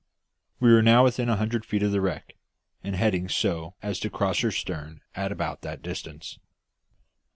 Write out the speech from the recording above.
We were now within a hundred feet of the wreck, and heading so as to cross her stern at about that distance.